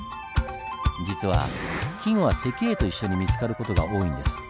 実は金は石英と一緒に見つかる事が多いんです。